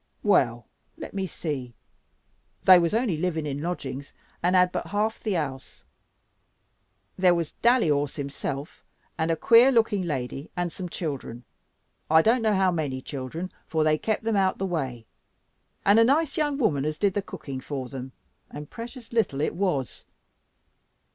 "Well, let me see. They was only living in lodgings, and had but half the house. There was Dallyhorse himself, and a queer looking lady, and some children, I don't know how many children, for they kept them out of the way; and a nice young woman as did the cooking for them, and precious little it was."